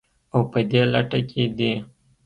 او په دې لټه کې دي